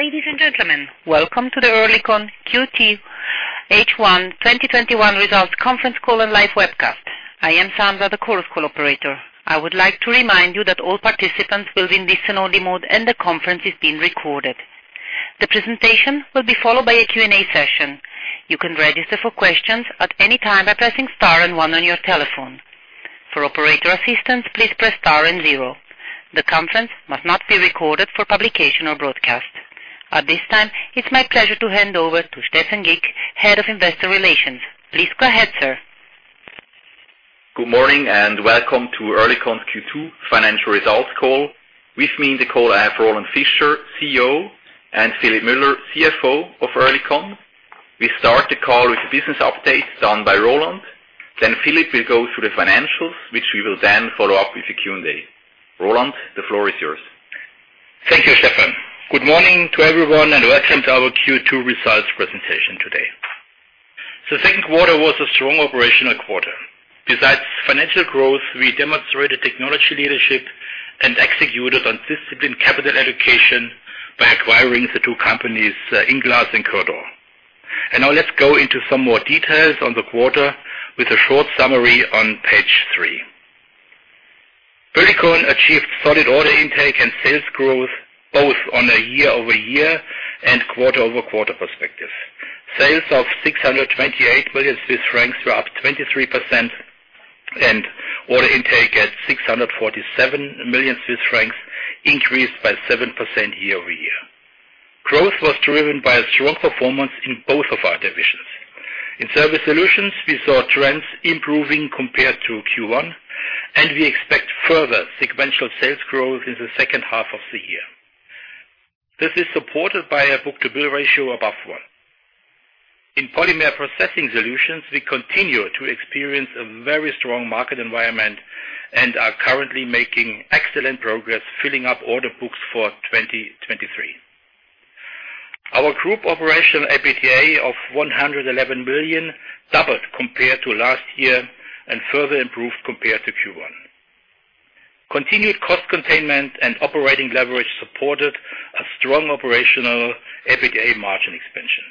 Ladies and gentlemen, welcome to the Oerlikon Q2 H1 2021 results conference call and live webcast. I am Sandra, the Chorus Call operator. I would like to remind you that all participants will be in listen only mode, and the conference is being recorded. The presentation will be followed by a Q&A session. You can register for questions at any time by pressing star and one on your telephone. For operator assistance, please press star and zero. The conference must not be recorded for publication or broadcast. At this time, it is my pleasure to hand over to Stephan Gick, Head of Investor Relations. Please go ahead, sir. Good morning and welcome to Oerlikon's Q2 financial results call. With me in the call, I have Roland Fischer, CEO, and Philipp Müller, CFO of Oerlikon. We start the call with a business update done by Roland. Philipp will go through the financials, which we will then follow up with a Q&A. Roland, the floor is yours. Thank you, Stephan. Good morning to everyone and welcome to our Q2 results presentation today. Second quarter was a strong operational quarter. Besides financial growth, we demonstrated technology leadership and executed on disciplined capital allocation by acquiring the two companies, INglass and Coeurdor. Now let's go into some more details on the quarter with a short summary on page three. Oerlikon achieved solid order intake and sales growth both on a year-over-year and quarter-over-quarter perspective. Sales of 628 million Swiss francs were up 23%, order intake at 647 million Swiss francs increased by 7% year-over-year. Growth was driven by a strong performance in both of our divisions. In Surface Solutions, we saw trends improving compared to Q1, we expect further sequential sales growth in the second half of the year. This is supported by a book-to-bill ratio above one. In Polymer Processing Solutions, we continue to experience a very strong market environment and are currently making excellent progress filling up order books for 2023. Our group operational EBITDA of 111 million doubled compared to last year and further improved compared to Q1. Continued cost containment and operating leverage supported a strong operational EBITDA margin expansion.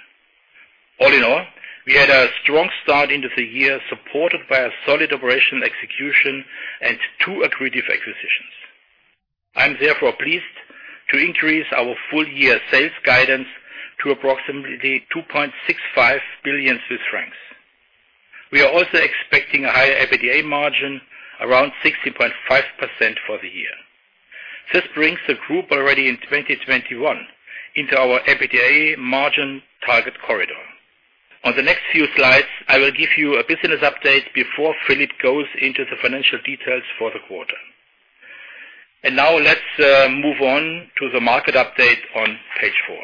All in all, we had a strong start into the year, supported by a solid operational execution and 2 accretive acquisitions. I am therefore pleased to increase our full year sales guidance to approximately 2.65 billion Swiss francs. We are also expecting a higher EBITDA margin around 16.5% for the year. This brings the group already in 2021 into our EBITDA margin target corridor. On the next few slides, I will give you a business update before Philipp goes into the financial details for the quarter. Now let's move on to the market update on page four.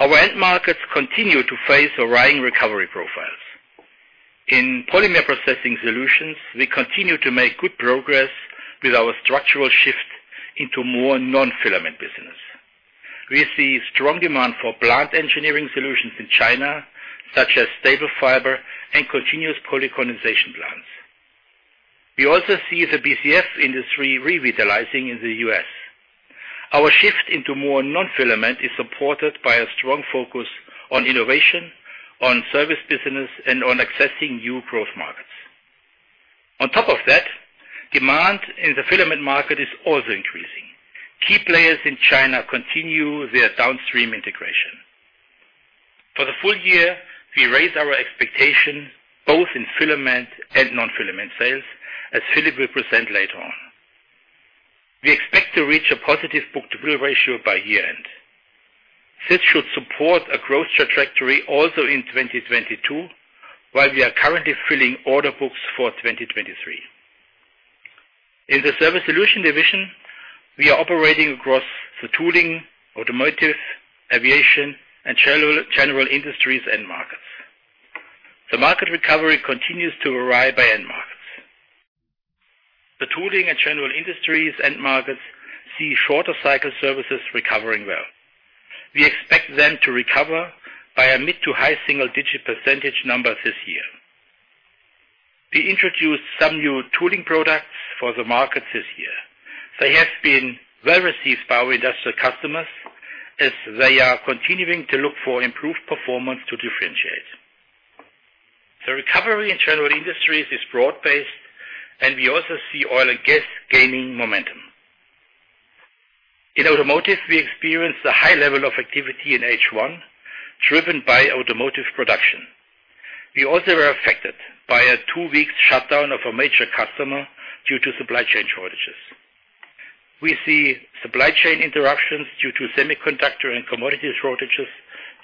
Our end markets continue to face a rising recovery profiles. In Polymer Processing Solutions, we continue to make good progress with our structural shift into more non-filament business. We see strong demand for plant engineering solutions in China, such as staple fiber and continuous polycondensation plants. We also see the BCF industry revitalizing in the U.S. Our shift into more non-filament is supported by a strong focus on innovation, on service business, and on accessing new growth markets. On top of that, demand in the filament market is also increasing. Key players in China continue their downstream integration. For the full year, we raise our expectation both in filament and non-filament sales, as Philipp will present later on. We expect to reach a positive book-to-bill ratio by year-end. This should support a growth trajectory also in 2022, while we are currently filling order books for 2023. In the Surface Solutions division, we are operating across the tooling, automotive, aviation, and general industries end markets. The market recovery continues to arrive by end markets. The tooling and general industries end markets see shorter cycle services recovering well. We expect them to recover by a mid to high single-digit percentage number this year. We introduced some new tooling products for the market this year. They have been well received by our industrial customers as they are continuing to look for improved performance to differentiate. The recovery in general industries is broad-based. We also see oil and gas gaining momentum. In automotive, we experienced a high level of activity in H1, driven by automotive production. We also were affected by a two-week shutdown of a major customer due to supply chain shortages. We see supply chain interruptions due to semiconductor and commodity shortages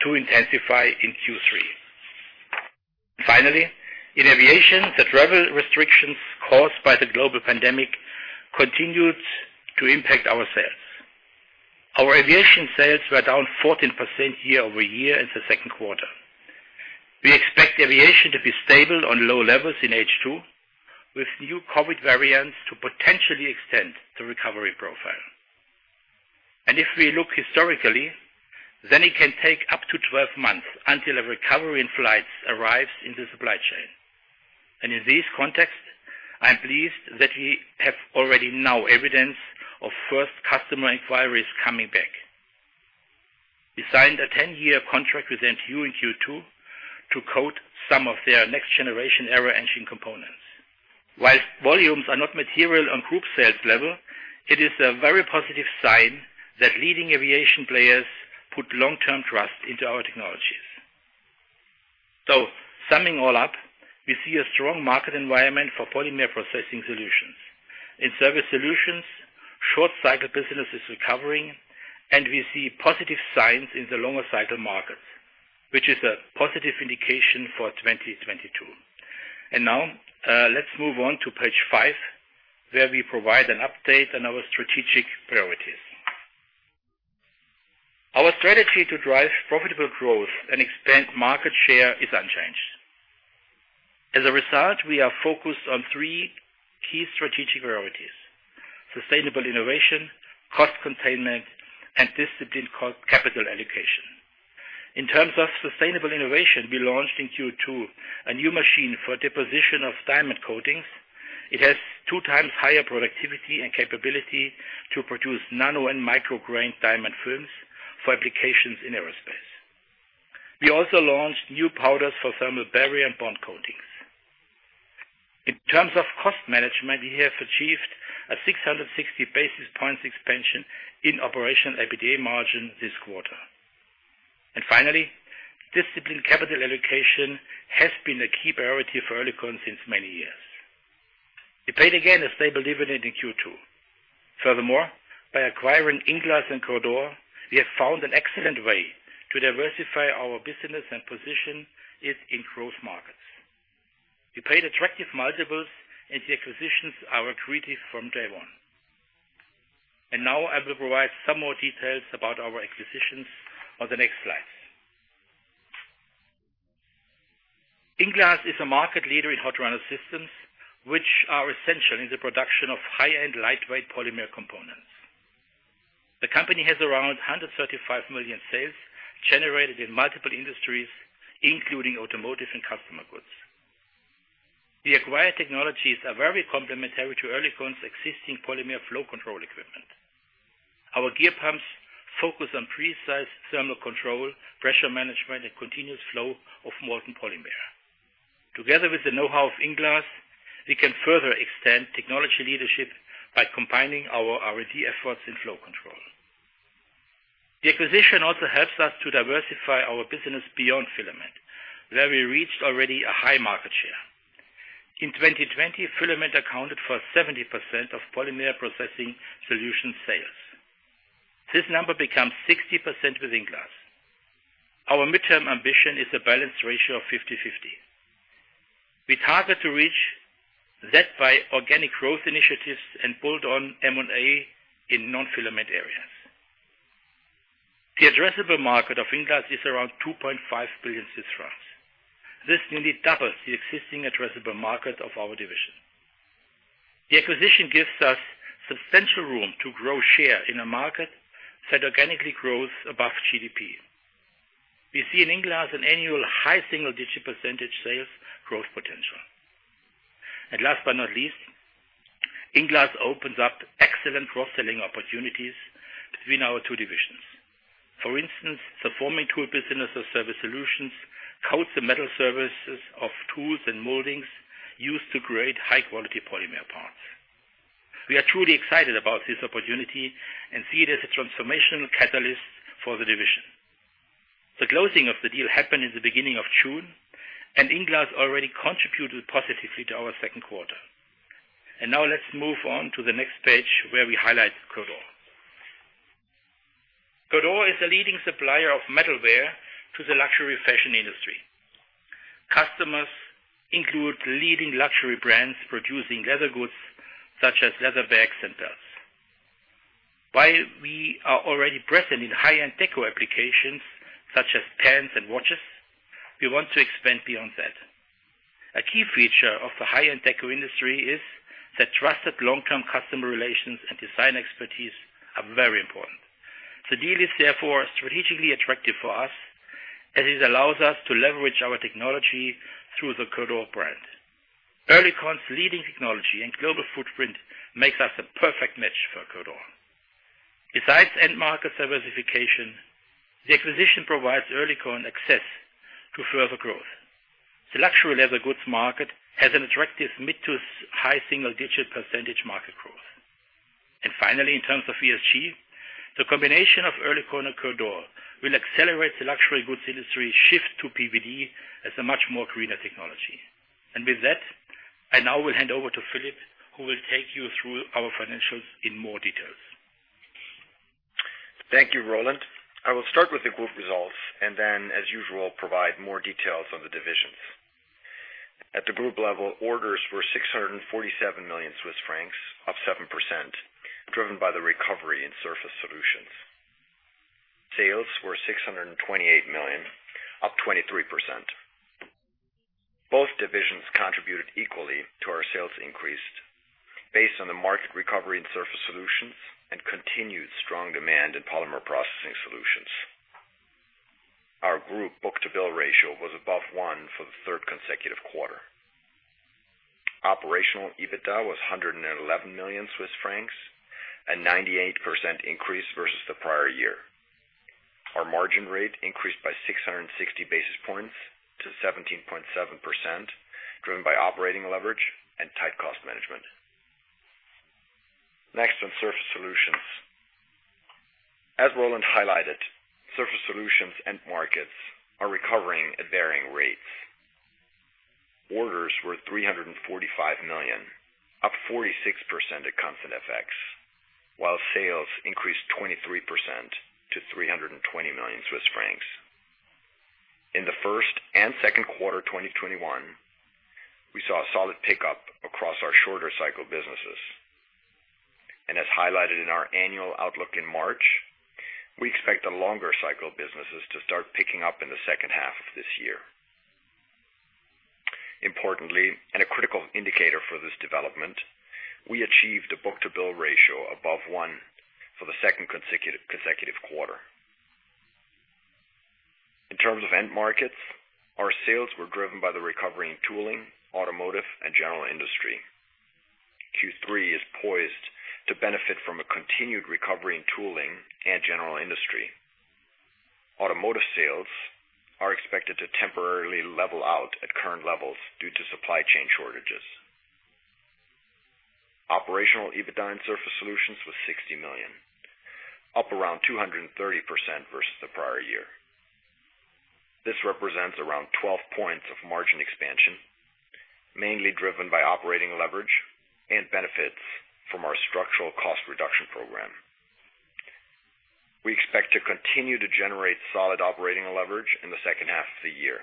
to intensify in Q3. In aviation, the travel restrictions caused by the global pandemic continued to impact our sales. Our aviation sales were down 14% year-over-year in the second quarter. We expect aviation to be stable on low levels in H2, with new COVID variants to potentially extend the recovery profile. If we look historically, then it can take up to 12 months until a recovery in flights arrives in the supply chain. In this context, I am pleased that we have already now evidence of first customer inquiries coming back. We signed a 10-year contract with MTU in Q2 to coat some of their next generation aero engine components. While volumes are not material on group sales level, it is a very positive sign that leading aviation players put long-term trust into our technologies. Summing all up, we see a strong market environment for Polymer Processing Solutions. In Surface Solutions, short cycle business is recovering, and we see positive signs in the longer cycle markets, which is a positive indication for 2022. Now, let's move on to page 5, where we provide an update on our strategic priorities. Our strategy to drive profitable growth and expand market share is unchanged. As a result, we are focused on 3 key strategic priorities: sustainable innovation, cost containment, and disciplined capital allocation. In terms of sustainable innovation, we launched in Q2 a new machine for deposition of diamond coatings. It has 2x higher productivity and capability to produce nano and micro grain diamond films for applications in aerospace. We also launched new powders for thermal barrier and bond coatings. In terms of cost management, we have achieved a 660 basis points expansion in operational EBITDA margin this quarter. Finally, disciplined capital allocation has been a key priority for Oerlikon since many years. We paid again a stable dividend in Q2. Furthermore, by acquiring INglass and Coeurdor, we have found an excellent way to diversify our business and position it in growth markets. We paid attractive multiples, and the acquisitions are accretive from day one. Now I will provide some more details about our acquisitions on the next slide. INglass is a market leader in hot runner systems, which are essential in the production of high-end lightweight polymer components. The company has around 135 million sales generated in multiple industries, including automotive and customer goods. The acquired technologies are very complementary to Oerlikon's existing polymer flow control equipment. Our gear pumps focus on precise thermal control, pressure management, and continuous flow of molten polymer. Together with the knowhow of INglass, we can further extend technology leadership by combining our R&D efforts in flow control. The acquisition also helps us to diversify our business beyond filament, where we reached already a high market share. In 2020, filament accounted for 70% of Polymer Processing Solutions sales. This number becomes 60% with INglass. Our midterm ambition is a balanced ratio of 50/50. We target to reach that by organic growth initiatives and build on M&A in non-filament areas. The addressable market of INglass is around 2.5 billion Swiss francs. This nearly doubles the existing addressable market of our division. The acquisition gives us substantial room to grow share in a market that organically grows above GDP. We see in INglass an annual high single-digit percentage sales growth potential. Last but not least, INglass opens up excellent cross-selling opportunities between our two divisions. For instance, the forming tool business of Surface Solutions coats the metal surfaces of tools and moldings used to create high-quality polymer parts. We are truly excited about this opportunity and see it as a transformational catalyst for the division. The closing of the deal happened in the beginning of June, and INglass already contributed positively to our second quarter. Now let's move on to the next page, where we highlight Coeurdor. Coeurdor is a leading supplier of metalware to the luxury fashion industry. Customers include leading luxury brands producing leather goods such as leather bags and belts. While we are already present in high-end deco applications such as pens and watches, we want to expand beyond that. A key feature of the high-end deco industry is that trusted long-term customer relations and design expertise are very important. The deal is therefore strategically attractive for us as it allows us to leverage our technology through the Coeurdor brand. Oerlikon's leading technology and global footprint makes us a perfect match for Coeurdor. Besides end market diversification, the acquisition provides Oerlikon access to further growth. The luxury leather goods market has an attractive mid to high single-digit % market growth. Finally, in terms of ESG, the combination of Oerlikon and Coeurdor will accelerate the luxury goods industry shift to PVD as a much more greener technology. With that, I now will hand over to Philipp, who will take you through our financials in more details. Thank you, Roland. I will start with the group results, then as usual, provide more details on the divisions. At the group level, orders were 647 million Swiss francs, up 7%, driven by the recovery in Surface Solutions. Sales were 628 million, up 23%. Both divisions contributed equally to our sales increase based on the market recovery in Surface Solutions and continued strong demand in Polymer Processing Solutions. Our group book-to-bill ratio was above 1 for the third consecutive quarter. Operational EBITDA was 111 million Swiss francs, a 98% increase versus the prior year. Our margin rate increased by 660 basis points to 17.7%, driven by operating leverage and tight cost management. Next, on Surface Solutions. As Roland highlighted, Surface Solutions end markets are recovering at varying rates. Orders were 345 million, up 46% at constant FX, while sales increased 23% to 320 million Swiss francs. In the 1st and 2nd quarter 2021, we saw a solid pickup across our shorter cycle businesses. As highlighted in our annual outlook in March, we expect the longer cycle businesses to start picking up in the second half of this year. Importantly, and a critical indicator for this development, we achieved a book-to-bill ratio above 1 for the 2nd consecutive quarter. In terms of end markets, our sales were driven by the recovery in tooling, automotive, and general industry. Q3 is poised to benefit from a continued recovery in tooling and general industry. Automotive sales are expected to temporarily level out at current levels due to supply chain shortages. Operational EBITDA in Surface Solutions was 60 million, up around 230% versus the prior year. This represents around 12 points of margin expansion, mainly driven by operating leverage and benefits from our structural cost reduction program. We expect to continue to generate solid operating leverage in the second half of the year.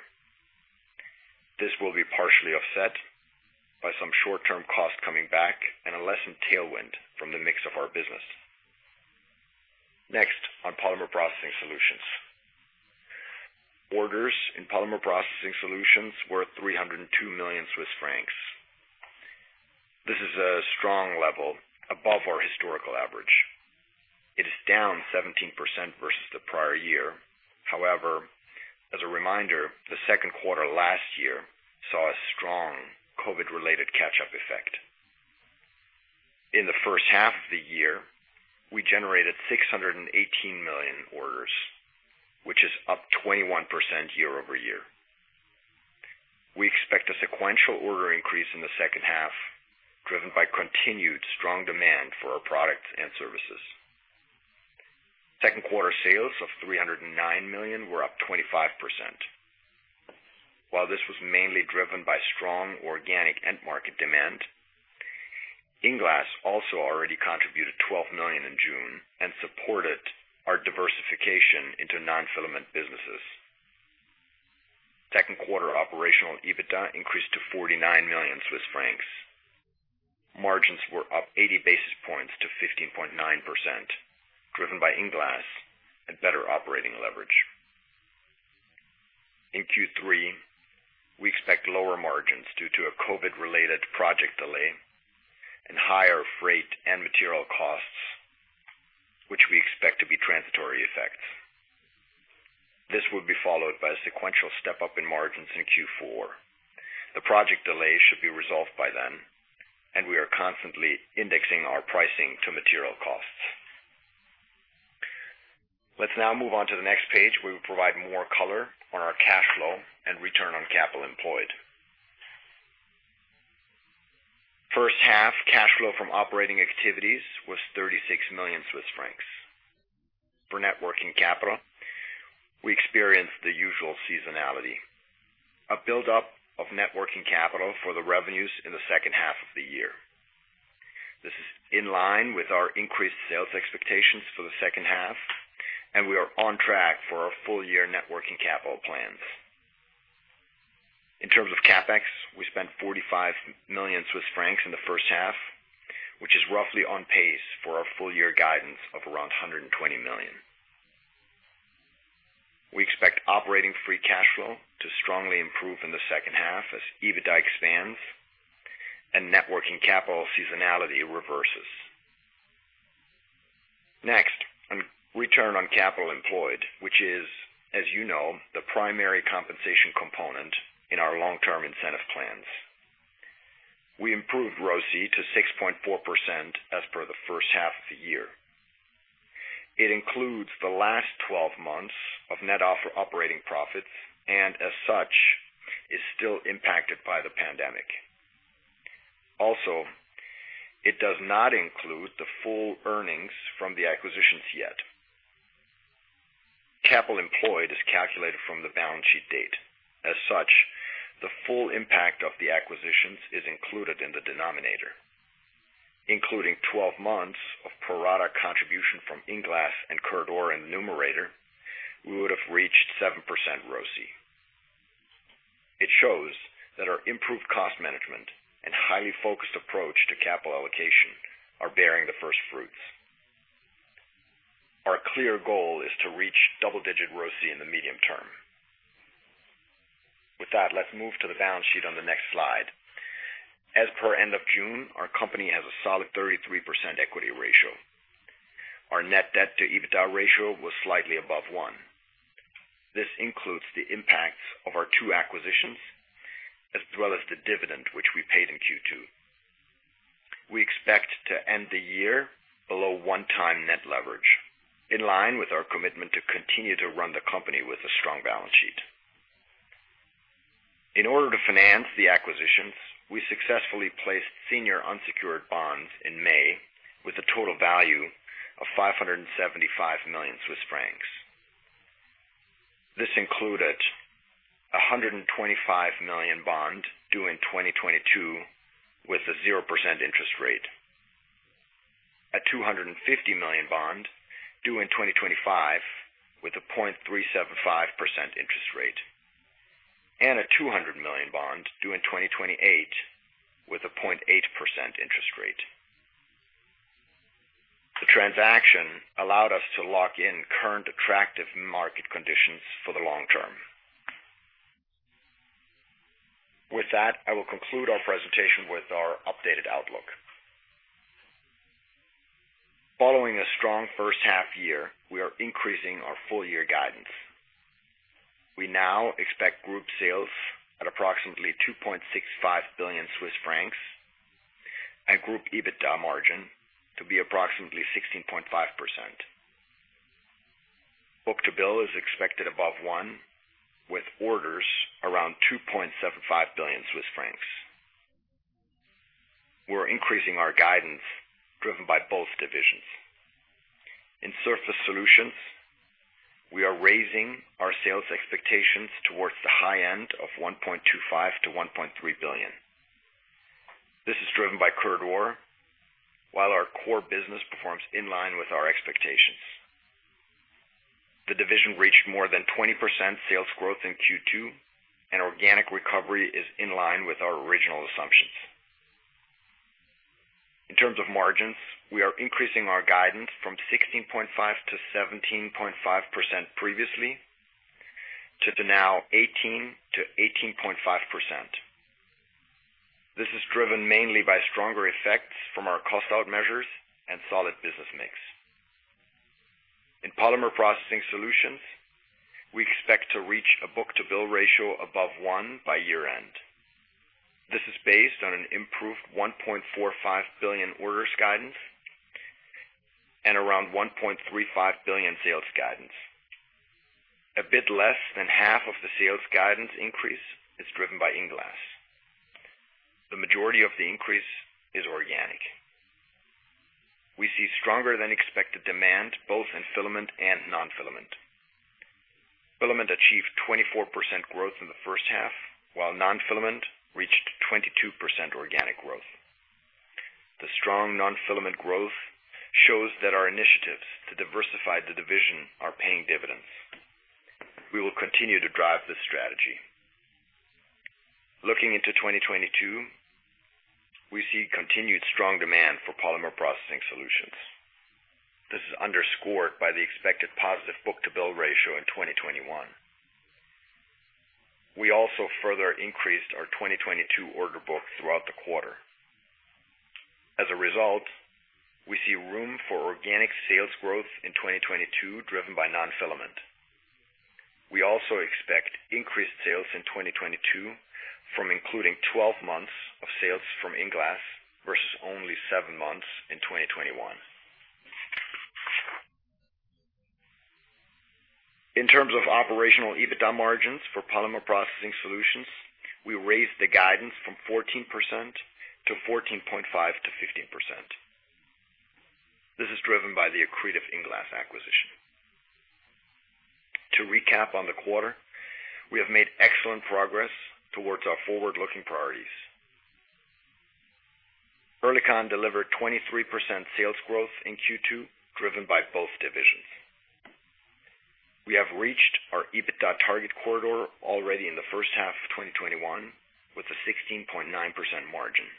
This will be partially offset by some short-term costs coming back and a lessened tailwind from the mix of our business. Next, on Polymer Processing Solutions. Orders in Polymer Processing Solutions were 302 million Swiss francs. This is a strong level above our historical average. It is down 17% versus the prior year. However, as a reminder, the second quarter last year saw a strong COVID-related catch-up effect. In the first half of the year, we generated 618 million orders, which is up 21% year-over-year. We expect a sequential order increase in the second half, driven by continued strong demand for our products and services. Second quarter sales of 309 million were up 25%. While this was mainly driven by strong organic end market demand, INglass also already contributed 12 million in June and supported our diversification into non-filament businesses. Second quarter operational EBITDA increased to 49 million Swiss francs. Margins were up 80 basis points to 15.9%, driven by INglass and better operating leverage. In Q3, we expect lower margins due to a COVID-related project delay and higher freight and material costs, which we expect to be transitory effects. This would be followed by a sequential step-up in margins in Q4. The project delay should be resolved by then, and we are constantly indexing our pricing to material costs. Let's now move on to the next page, where we provide more color on our cash flow and return on capital employed. First-half cash flow from operating activities was 36 million Swiss francs. For net working capital, we experienced the usual seasonality. A buildup of net working capital for the revenues in the second half of the year. This is in line with our increased sales expectations for the second half. We are on track for our full-year net working capital plans. In terms of CapEx, we spent 45 million Swiss francs in the first half, which is roughly on pace for our full-year guidance of around 120 million. We expect operating free cash flow to strongly improve in the second half as EBITDA expands and net working capital seasonality reverses. On return on capital employed, which is, as you know, the primary compensation component in our long-term incentive plans. We improved ROCE to 6.4% as per the first half of the year. It includes the last 12 months of net operating profits and, as such, is still impacted by the pandemic. It does not include the full earnings from the acquisitions yet. Capital employed is calculated from the balance sheet date. As such, the full impact of the acquisitions is included in the denominator. Including 12 months of pro rata contribution from INglass and Coeurdor in the numerator, we would have reached 7% ROCE. It shows that our improved cost management and highly focused approach to capital allocation are bearing the first fruits. Our clear goal is to reach double-digit ROCE in the medium term. With that, let's move to the balance sheet on the next slide. As per end of June, our company has a solid 33% equity ratio. Our net debt to EBITDA ratio was slightly above 1. This includes the impacts of our two acquisitions as well as the dividend, which we paid in Q2. We expect to end the year below one-time net leverage, in line with our commitment to continue to run the company with a strong balance sheet. In order to finance the acquisitions, we successfully placed senior unsecured bonds in May with a total value of 575 million Swiss francs. This included 125 million bond due in 2022 with a 0% interest rate, a 250 million bond due in 2025 with a 0.375% interest rate, and a 200 million bond due in 2028 with a 0.8% interest rate. The transaction allowed us to lock in current attractive market conditions for the long term. I will conclude our presentation with our updated outlook. Following a strong first half year, we are increasing our full year guidance. We now expect group sales at approximately 2.65 billion Swiss francs and group EBITDA margin to be approximately 16.5%. Book to bill is expected above 1 with orders around 2.75 billion Swiss francs. We're increasing our guidance driven by both divisions. In Surface Solutions, we are raising our sales expectations towards the high end of 1.25 billion-1.3 billion. This is driven by Coeurdor, while our core business performs in line with our expectations. The division reached more than 20% sales growth in Q2, and organic recovery is in line with our original assumptions. In terms of margins, we are increasing our guidance from 16.5%-17.5% previously, to now 18%-18.5%. This is driven mainly by stronger effects from our cost-out measures and solid business mix. In Polymer Processing Solutions, we expect to reach a book-to-bill ratio above 1 by year end. This is based on an improved 1.45 billion orders guidance and around 1.35 billion sales guidance. A bit less than half of the sales guidance increase is driven by INglass. The majority of the increase is organic. We see stronger than expected demand both in filament and non-filament. Filament achieved 24% growth in the first half, while non-filament reached 22% organic growth. The strong non-filament growth shows that our initiatives to diversify the division are paying dividends. We will continue to drive this strategy. Looking into 2022, we see continued strong demand for Polymer Processing Solutions. This is underscored by the expected positive book-to-bill ratio in 2021. We also further increased our 2022 order book throughout the quarter. As a result, we see room for organic sales growth in 2022 driven by non-filament. We also expect increased sales in 2022 from including 12 months of sales from INglass versus only 7 months in 2021. In terms of operational EBITDA margins for Polymer Processing Solutions, we raised the guidance from 14%-14.5%-15%. This is driven by the accretive INglass acquisition. To recap on the quarter, we have made excellent progress towards our forward-looking priorities. Oerlikon delivered 23% sales growth in Q2, driven by both divisions. We have reached our EBITDA target corridor already in the first half of 2021 with a 16.9% margin.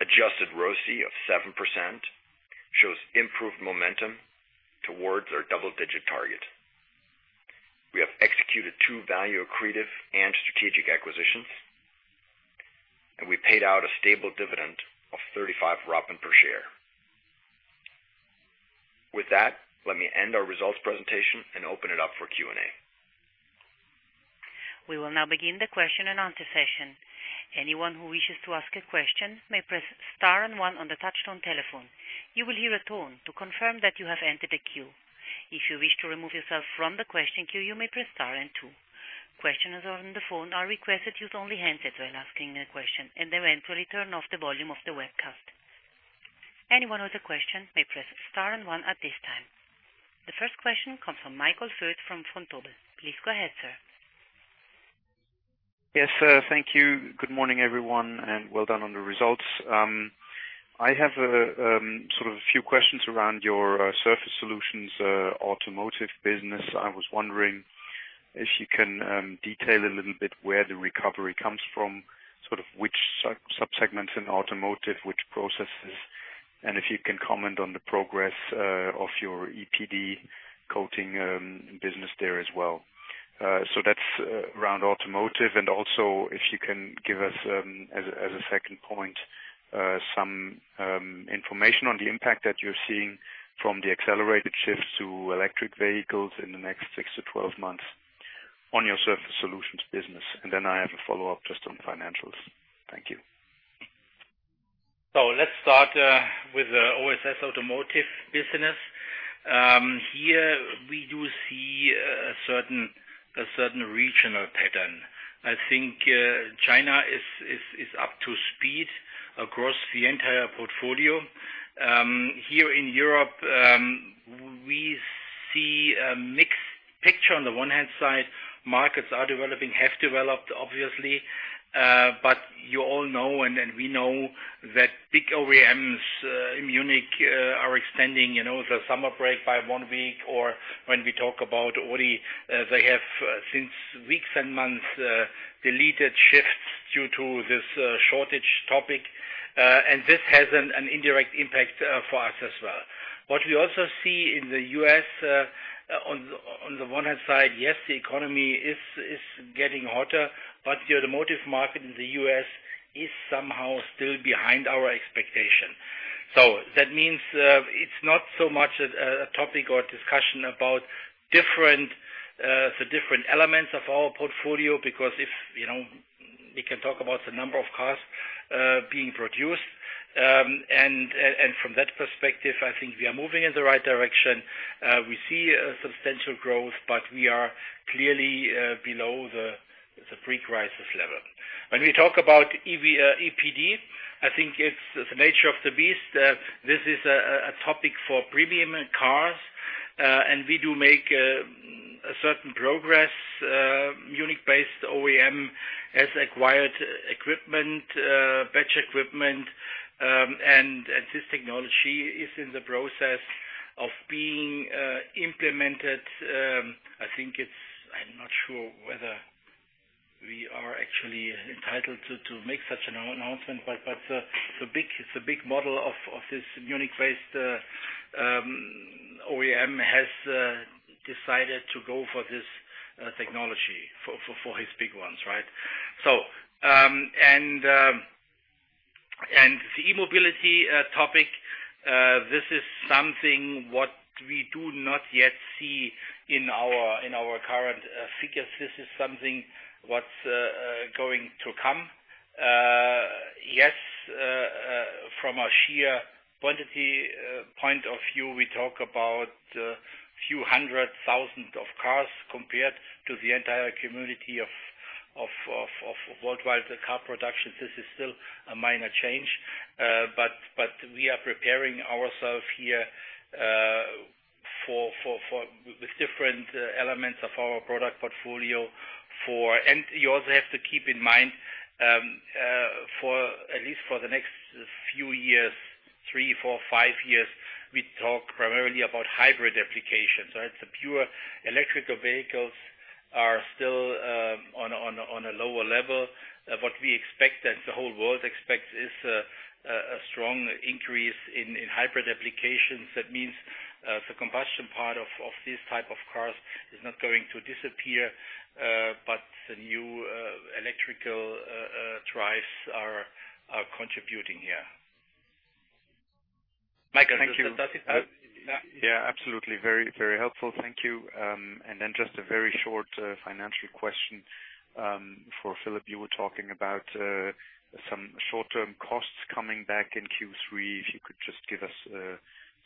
Adjusted ROCE of 7% shows improved momentum towards our double-digit target. We have executed two value-accretive and strategic acquisitions, and we paid out a stable dividend of 0.35 per share. With that, let me end our results presentation and open it up for Q&A. We will now begin the question and answer session. Anyone who wishes to ask a question may press star one on the touchtone telephone. You will hear a tone to confirm that you have entered a queue. If you wish to remove yourself from the question queue, you may press star two. Questioners on the phone are requested to use only handsets when asking a question and then to return off the volume of the webcast. Anyone with a question may press star one at this time. The first question comes from Michael Foeth from Vontobel. Please go ahead, sir. Yes, thank you. Good morning, everyone, and well done on the results. I have a sort of a few questions around your Surface Solutions automotive business. I was wondering if you can detail a little bit where the recovery comes from, sort of which sub-segments in automotive, which processes. If you can comment on the progress of your ePD coating business there as well. That's around automotive, and also if you can give us, as a second point, some information on the impact that you're seeing from the accelerated shift to electric vehicles in the next six to 12 months on your Surface Solutions business. I have a follow-up just on financials. Thank you. Let's start with the OSS automotive business. Here, we do see a certain regional pattern. I think China is up to speed across the entire portfolio. Here in Europe, we see a mixed picture. On the one hand side, markets are developing, have developed, obviously. You all know, and we know, that big OEMs in Munich are extending the summer break by one week, or when we talk about Audi, they have, since weeks and months, deleted shifts due to this shortage topic. This has an indirect impact for us as well. What we also see in the U.S., on the one hand side, yes, the economy is getting hotter, but the automotive market in the U.S. is somehow still behind our expectation. That means it's not so much a topic or discussion about the different elements of our portfolio. Because we can talk about the number of cars being produced. From that perspective, I think we are moving in the right direction. We see substantial growth, but we are clearly below the pre-crisis level. When we talk about ePD, I think it's the nature of the beast. This is a topic for premium cars. We do make a certain progress. A Munich-based OEM has acquired equipment, batch equipment, and this technology is in the process of being implemented. I'm not sure whether we are actually entitled to make such an announcement, but the big model of this Munich-based OEM has decided to go for this technology for his big ones, right? The e-mobility topic, this is something what we do not yet see in our current figures. This is something what's going to come. Yes, from a sheer quantity point of view, we talk about a few 100,000 cars compared to the entire community of worldwide car production. This is still a minor change. We are preparing ourselves here with different elements of our product portfolio. You also have to keep in mind, at least for the next few years, three, four, five years, we talk primarily about hybrid applications, right? The pure electrical vehicles are still on a lower level. What we expect, and the whole world expects, is a strong increase in hybrid applications. That means the combustion part of these type of cars is not going to disappear, but the new electrical drives are contributing here. Michael, does this answer your question? Thank you. Yeah, absolutely. Very helpful. Thank you. Then just a very short financial question. For Philipp, you were talking about some short-term costs coming back in Q3. If you could just give us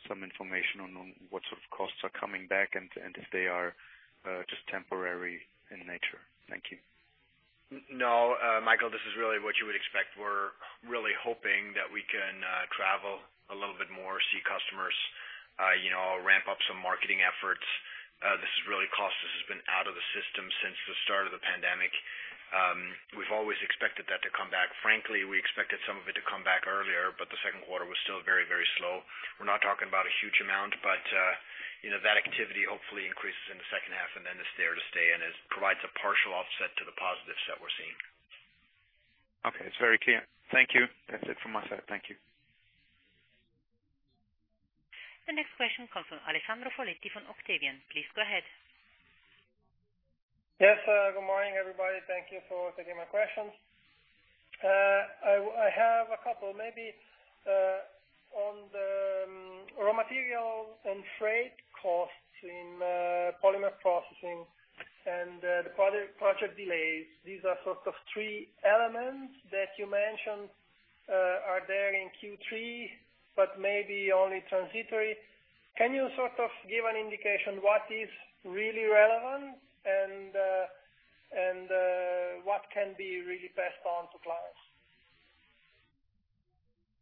some information on what sort of costs are coming back and if they are just temporary in nature. Thank you. No, Michael, this is really what you would expect. We're really hoping that we can travel a little bit more, see customers, ramp up some marketing efforts. This is really cost that has been out of the system since the start of the pandemic. We've always expected that to come back. Frankly, we expected some of it to come back earlier, but the second quarter was still very slow. We're not talking about a huge amount, but that activity hopefully increases in the second half and then it's there to stay, and it provides a partial offset to the positives that we're seeing. Okay, it's very clear. Thank you. That's it from my side. Thank you. The next question comes from Alessandro Foletti from Octavian. Please go ahead. Good morning, everybody. Thank you for taking my questions. I have a couple. Maybe on the raw material and freight costs in Polymer Processing Solutions and the project delays. These are sort of three elements that you mentioned are there in Q3, but maybe only transitory. Can you give an indication what is really relevant and what can be really passed on to clients?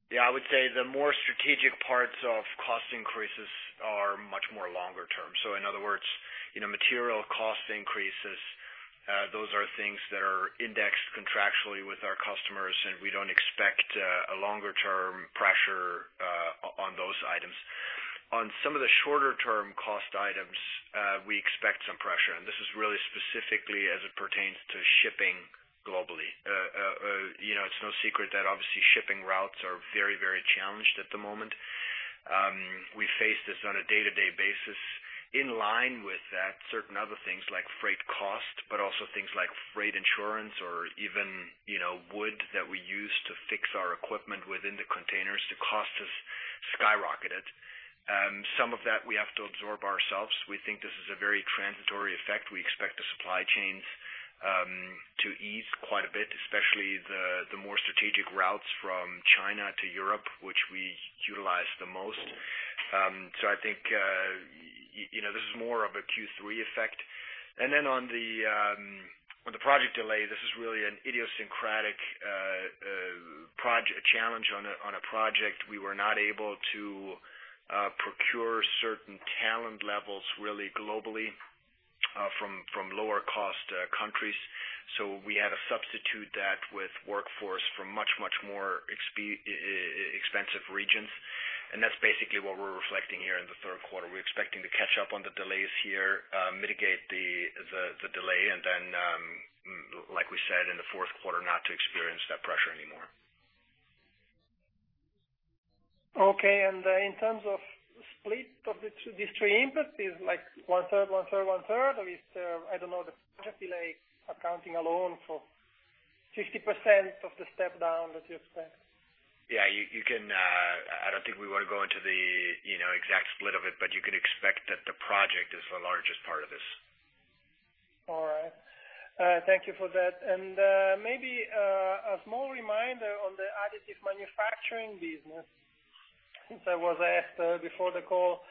Yeah, I would say the more strategic parts of cost increases are much more longer term. In other words, material cost increases, those are things that are indexed contractually with our customers, and we don't expect a longer-term pressure on some of the shorter-term cost items. We expect some pressure, and this is really specifically as it pertains to shipping globally. It's no secret that obviously shipping routes are very challenged at the moment. We face this on a day-to-day basis. In line with that, certain other things like freight cost, but also things like freight insurance or even wood that we use to fix our equipment within the containers, the cost has skyrocketed. Some of that we have to absorb ourselves. We think this is a very transitory effect. We expect the supply chains to ease quite a bit, especially the more strategic routes from China to Europe, which we utilize the most. I think, this is more of a Q3 effect. On the project delay, this is really an idiosyncratic challenge on a project. We were not able to procure certain talent levels really globally from lower cost countries. We had to substitute that with workforce from much more expensive regions, and that's basically what we're reflecting here in the third quarter. We're expecting to catch up on the delays here, mitigate the delay, and then like we said, in the fourth quarter, not to experience that pressure anymore. Okay. In terms of split of these three impacts, is like 1/3, or is there, I don't know, the project delay accounting alone for 50% of the step down that you expect? Yeah. I don't think we want to go into the exact split of it, but you could expect that the project is the largest part of this. All right. Thank you for that. Maybe a small reminder on the additive manufacturing business, since I was asked before the call.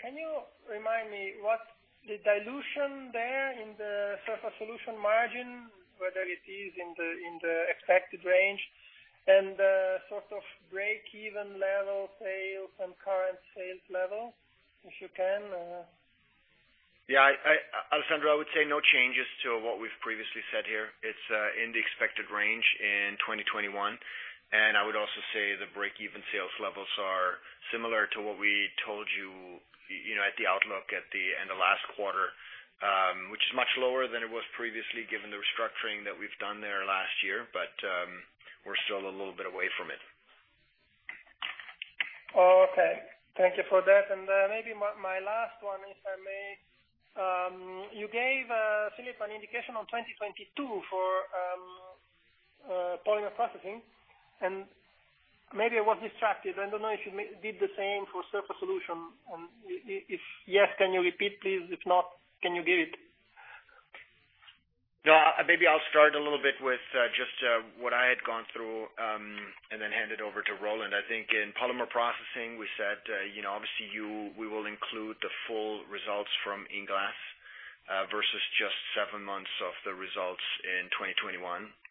Can you remind me what the dilution there in the Surface Solutions margin, whether it is in the expected range and sort of breakeven level sales on current sales level, if you can? Yeah. Alessandro, I would say no changes to what we've previously said here. It's in the expected range in 2021. I would also say the breakeven sales levels are similar to what we told you at the outlook and the last quarter, which is much lower than it was previously, given the restructuring that we've done there last year. We're still a little bit away from it. Okay. Thank you for that. Maybe my last one, if I may. You gave, Philipp, an indication on 2022 for Polymer Processing. Maybe I was distracted. I don't know if you did the same for Surface Solution. If yes, can you repeat, please? If not, can you give it? Maybe I'll start a little bit with just what I had gone through, and then hand it over to Roland. I think in polymer processing, we said, obviously we will include the full results from INglass, versus just 7 months of the results in 2021.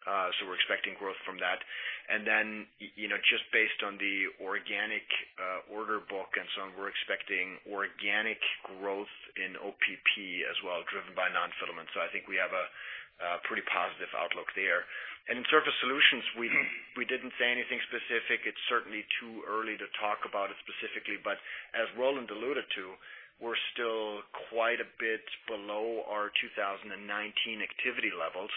We're expecting growth from that. Just based on the organic order book and so on, we're expecting organic growth in OPP as well, driven by non-filament. I think we have a pretty positive outlook there. In Surface Solutions, we didn't say anything specific. It's certainly too early to talk about it specifically, but as Roland alluded to, we're still quite a bit below our 2019 activity levels.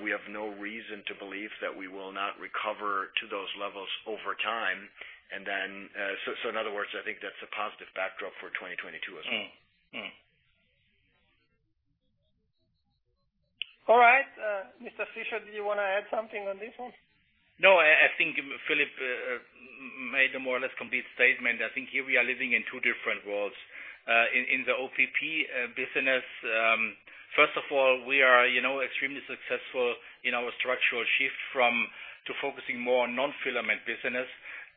We have no reason to believe that we will not recover to those levels over time. In other words, I think that's a positive backdrop for 2022 as well. All right. Mr. Fischer, do you want to add something on this one? No, I think Philipp made a more or less complete statement. I think here we are living in 2 different worlds. In the OPP business, first of all, we are extremely successful in our structural shift to focusing more on non-filament business.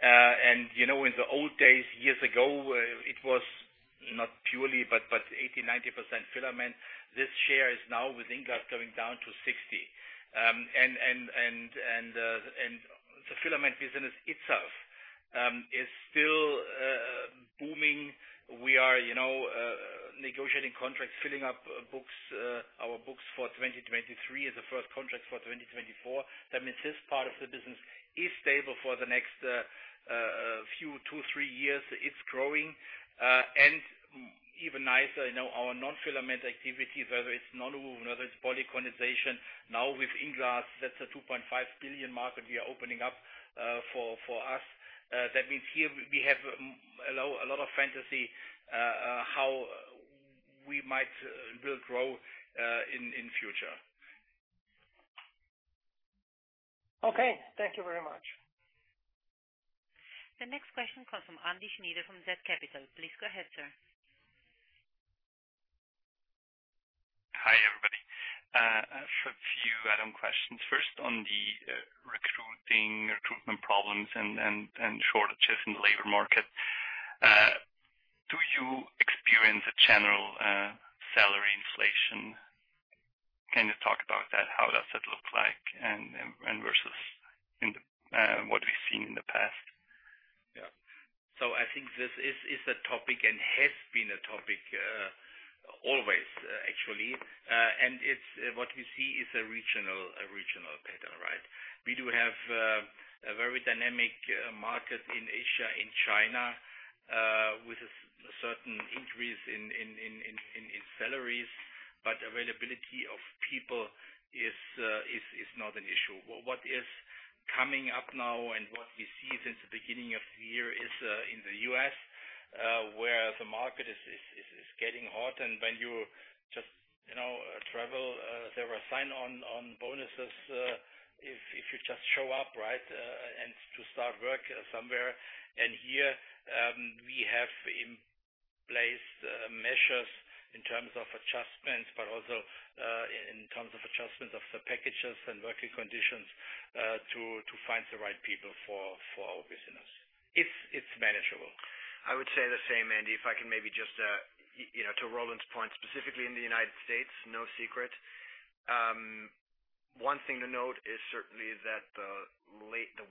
In the old days, years ago, it was not purely, but 80%-90% filament. This share is now with INglass going down to 60%. The filament business itself is still booming. We are negotiating contracts, filling up our books for 2023 as the first contracts for 2024. That means this part of the business is stable for the next few, 2, 3 years. It's growing. Even nicer, our non-filament activity, whether it's nonwoven or whether it's polycondensation, now with INglass, that's a 2.5 billion market we are opening up for us. That means here we have a lot of fantasy how we might build growth in future. Okay. Thank you very much. The next question comes from Andy Schnyder from zCapital. Please go ahead, sir. Hi, everybody. I have a few add-on questions. First, on the recruitment problems and shortages in the labor market. Do you experience a general salary inflation? Can you talk about that? How does it look like and versus what we've seen in the past? I think this is a topic and has been a topic always, actually. What we see is a regional pattern, right? We do have a very dynamic market in Asia, in China, with a certain increase in salaries, but availability of people is not an issue. What is coming up now and what we see since the beginning of the year is in the U.S., where the market is getting hot and when you just travel, there are sign-on bonuses if you just show up, and to start work somewhere. Here we have in place measures in terms of adjustments, but also in terms of adjustment of the packages and working conditions, to find the right people for our business. It's manageable. I would say the same, Andy, if I can maybe to Roland's point, specifically in the United States, no secret. One thing to note is certainly that the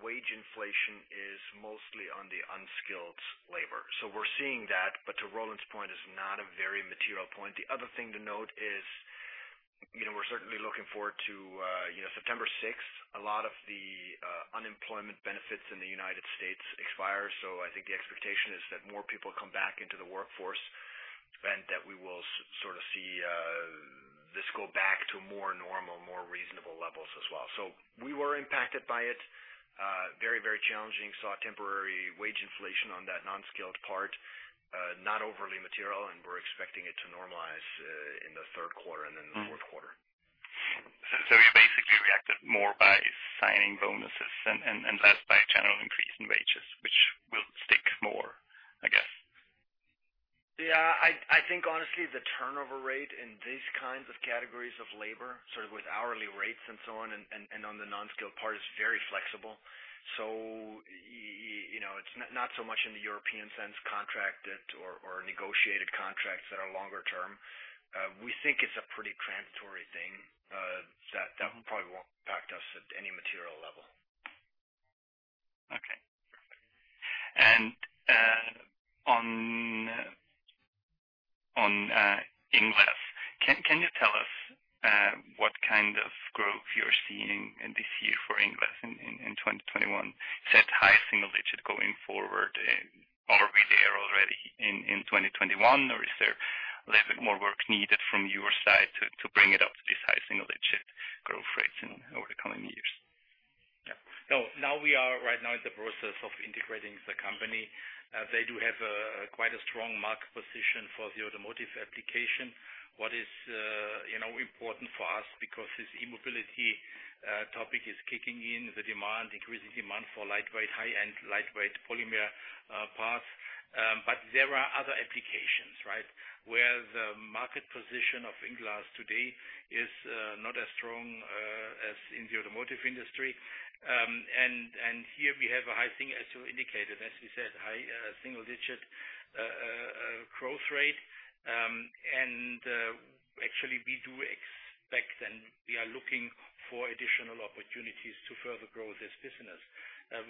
wage inflation is mostly on the unskilled labor. We're seeing that, but to Roland's point, it's not a very material point. The other thing to note is, we're certainly looking forward to September 6th. A lot of the unemployment benefits in the United States expire. I think the expectation is that more people come back into the workforce, that we will sort of see this go back to more normal, more reasonable levels as well. We were impacted by it. Very challenging. Saw temporary wage inflation on that non-skilled part. Not overly material. We're expecting it to normalize in the third quarter and then the fourth quarter. You basically reacted more by signing bonuses and less by general increase in wages, which will stick more, I guess. Yeah. I think honestly, the turnover rate in these kinds of categories of labor, sort of with hourly rates and so on and on the non-skilled part, is very flexible. It's not so much in the European sense, contracted or negotiated contracts that are longer term. We think it's a pretty transitory thing, that probably won't impact us at any material level. Okay. On INglass. Can you tell us what kind of growth you're seeing in this year for INglass in 2021? Set high single digit going forward. Are we there already in 2021 or is there a little bit more work needed from your side to bring it up to this high single digit growth rates over the coming years? Yeah. Now we are right now in the process of integrating the company. They do have quite a strong market position for the automotive application. What is important for us, because this e-mobility topic is kicking in, the increasing demand for high-end lightweight polymer parts. There are other applications, where the market position of INglass today is not as strong as in the automotive industry. Here we have a high thing, as you indicated, as we said, high single-digit growth rate. Actually we do expect and we are looking for additional opportunities to further grow this business.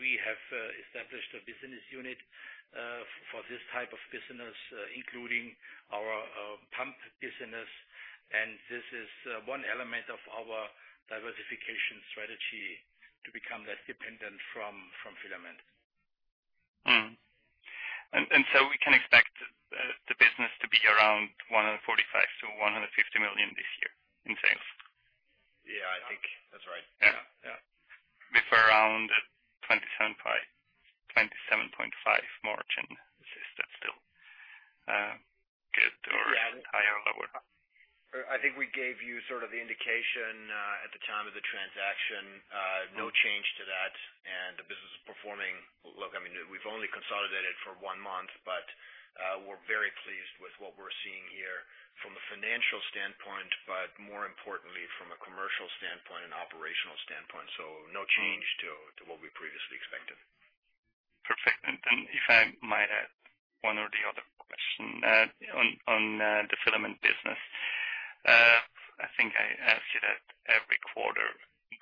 We have established a business unit for this type of business, including our pump business. This is one element of our diversification strategy to become less dependent from filament. We can expect the business to be around 145 million-150 million this year in sales. Yeah, I think that's right. Yeah. Yeah. With around 27.5% margin, is that still good or higher or lower? I think we gave you sort of the indication at the time of the transaction. No change to that. The business is performing. Look, we've only consolidated for one month, but we're very pleased with what we're seeing here from a financial standpoint, but more importantly, from a commercial standpoint and operational standpoint. No change to what we previously expected. Perfect. If I might add one or the other question. On the filament business. I think I ask you that every quarter.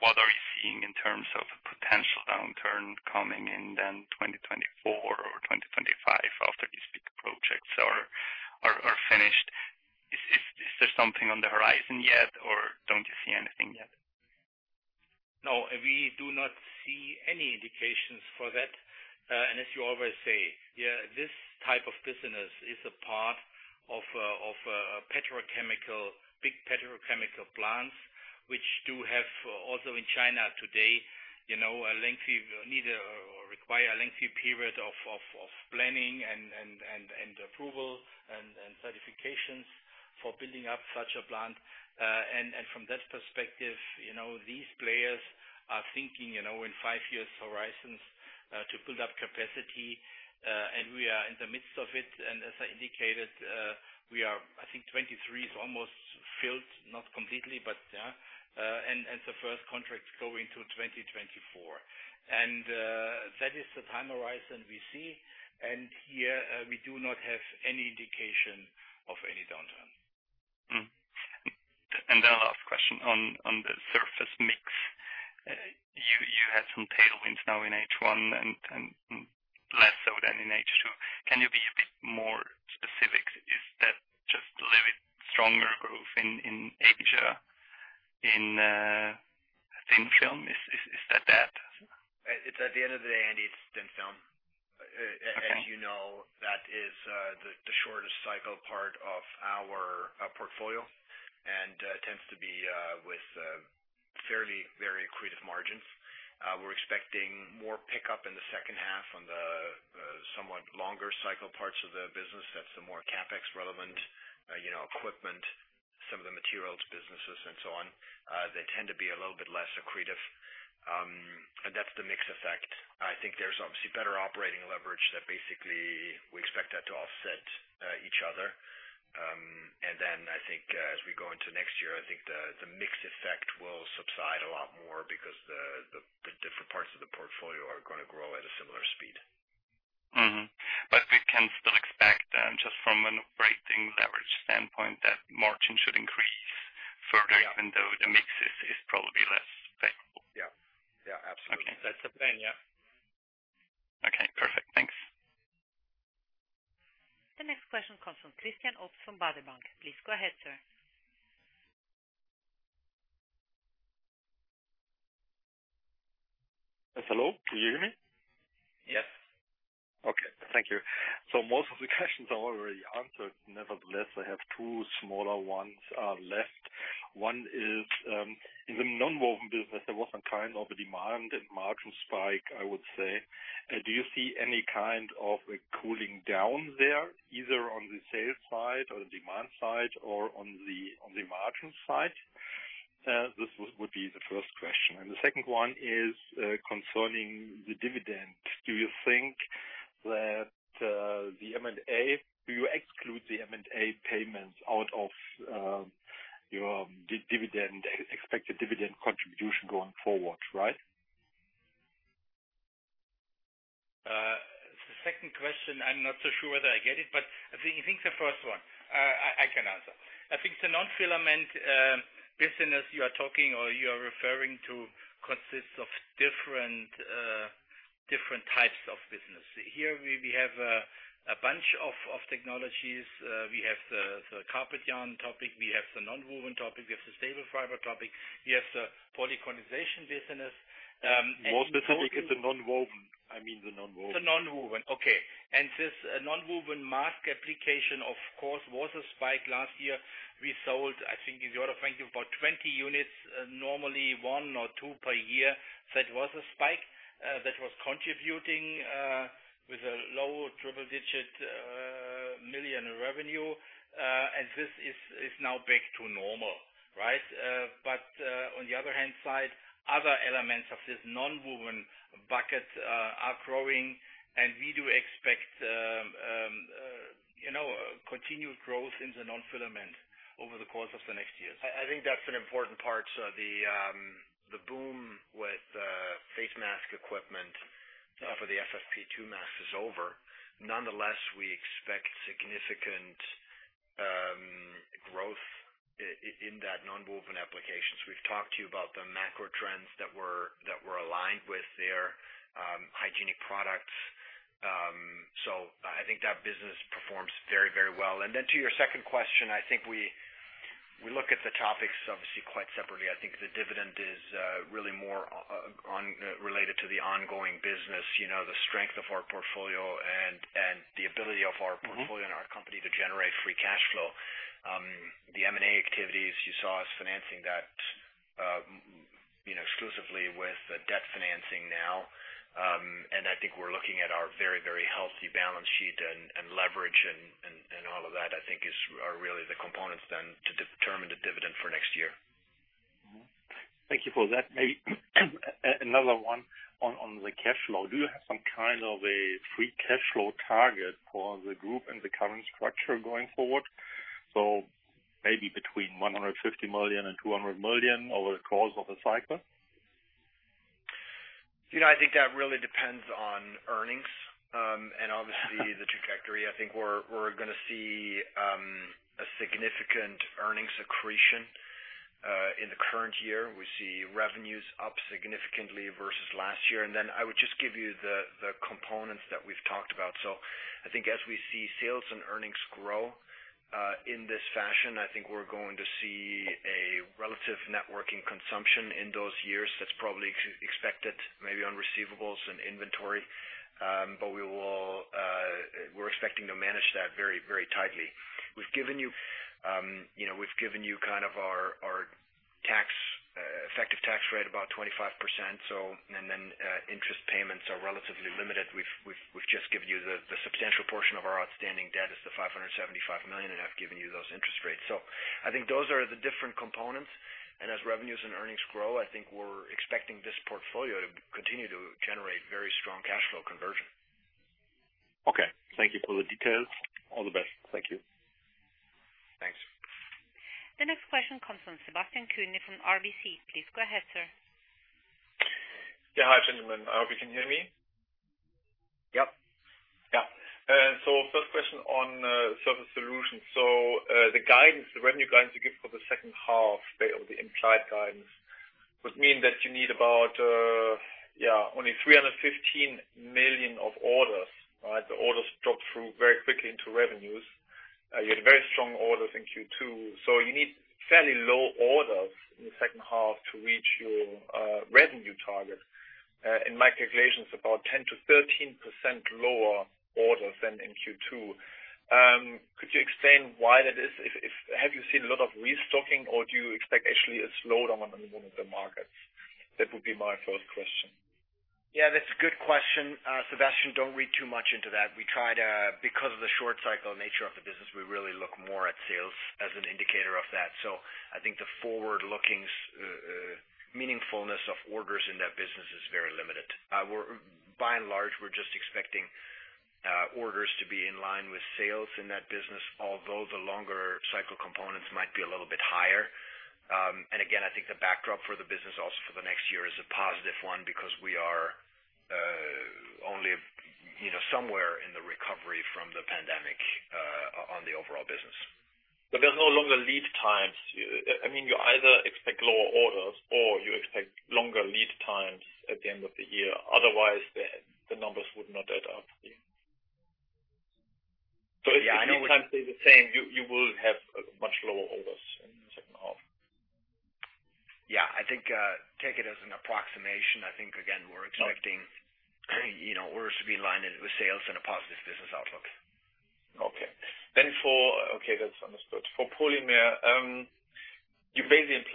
What are you seeing in terms of potential downturn coming in then 2024 or 2025 after these big projects are finished? Is there something on the horizon yet or don't you see anything yet? No, we do not see any indications for that. As you always say, this type of business is a part of petrochemical, big petrochemical plants, which do have also in China today require a lengthy period of planning and approval and certifications for building up such a plant. From that perspective, these players are thinking in 5 years horizons to build up capacity, and we are in the midst of it. As I indicated, we are, I think 2023 is almost filled, not completely, but yeah. The first contracts go into 2024. That is the time horizon we see. Here we do not have any indication of any downturn. The last question on the surface mix. You had some tailwinds now in H1 and less so than in H2. Can you be a bit more specific? Is that just a little bit stronger growth in Asia, in thin film? Is it that? At the end of the day, Andy, it's thin film. Okay. As you know, that is the shortest cycle part of our portfolio and tends to be with fairly very accretive margins. We're expecting more pickup in the second half on the somewhat longer cycle parts of the business. That's the more CapEx relevant equipment, some of the materials businesses and so on. They tend to be a little bit less accretive. That's the mix effect. I think there's obviously better operating leverage that basically we expect that to offset each other. Then I think as we go into next year, I think the mix effect will subside a lot more because the different parts of the portfolio are going to grow at a similar speed. We can still expect then, just from an operating leverage standpoint, that margin should increase further even though the mix is probably less favorable. Yeah. Absolutely. Okay. That's the plan, yeah. Okay, perfect. Thanks. The next question comes from Christian Obst from Baader Bank. Please go ahead, sir. Hello, can you hear me? Yes. Okay. Thank you. Most of the questions are already answered. Nevertheless, I have 2 smaller ones left. One is, in the nonwoven business, there was a kind of a demand and margin spike, I would say. Do you see any kind of a cooling down there, either on the sales side or the demand side, or on the margin side? This would be the first question. The second one is concerning the dividend. Do you think that you exclude the M&A payments out of your expected dividend contribution going forward, right? The second question, I'm not so sure whether I get it. I think the first one I can answer. I think the non-filament business you are talking or you are referring to consists of different types of business. Here, we have a bunch of technologies. We have the carpet yarn topic. We have the nonwoven topic. We have the staple fiber topic. We have the polycondensation business. More specific is the nonwoven. I mean the nonwoven. The nonwoven. Okay. This nonwoven mask application, of course, was a spike last year. We sold, I think, in the order of, frankly, about 20 units. Normally 1 or 2 per year. That was a spike that was contributing with a low double-digit million CHF revenue. This is now back to normal. On the other hand side, other elements of this nonwoven bucket are growing, and we do expect continued growth in the non-filament over the course of the next years. I think that's an important part. The boom with face mask equipment for the FFP2 mask is over. Nonetheless, we expect significant growth in that nonwoven applications. We've talked to you about the macro trends that were aligned with their hygienic products. I think that business performs very well. To your second question, I think we look at the topics obviously quite separately. I think the dividend is really more related to the ongoing business, the strength of our portfolio and the ability of our portfolio and our company to generate free cash flow. The M&A activities, you saw us financing that exclusively with debt financing now. I think we're looking at our very healthy balance sheet and leverage and all of that, I think, are really the components then to determine the dividend for next year. Thank you for that. Maybe another one on the cash flow. Do you have some kind of a free cash flow target for the group and the current structure going forward? Maybe between 150 million and 200 million over the course of a cycle? I think that really depends on earnings. Obviously the trajectory, I think we're going to see a significant earnings accretion. In the current year, we see revenues up significantly versus last year. I would just give you the components that we've talked about. I think as we see sales and earnings grow, in this fashion, I think we're going to see a relative networking consumption in those years that's probably expected, maybe on receivables and inventory. We're expecting to manage that very tightly. We've given you our effective tax rate, about 25%. Interest payments are relatively limited. We've just given you the substantial portion of our outstanding debt is the 575 million, and I've given you those interest rates. I think those are the different components. As revenues and earnings grow, I think we're expecting this portfolio to continue to generate very strong cash flow conversion. Okay. Thank you for the details. All the best. Thank you. Thanks. The next question comes from Sebastian Kuenne from RBC. Please go ahead, sir. Hi, gentlemen. I hope you can hear me. Yep. On Surface Solutions. The revenue guidance you give for the second half, the implied guidance, would mean that you need about only 315 million of orders. Right? The orders drop through very quickly into revenues. You had very strong orders in Q2, you need fairly low orders in the second half to reach your revenue target. In my calculations, about 10%-13% lower orders than in Q2. Could you explain why that is? Have you seen a lot of restocking, or do you expect actually a slowdown on the movement of the markets? That would be my first question. Yeah, that's a good question, Sebastian. Don't read too much into that. Because of the short cycle nature of the business, we really look more at sales as an indicator of that. I think the forward-looking meaningfulness of orders in that business is very limited. By and large, we're just expecting orders to be in line with sales in that business, although the longer cycle components might be a little bit higher. Again, I think the backdrop for the business also for the next year is a positive one because we are only somewhere in the recovery from the pandemic on the overall business. There's no longer lead times. You either expect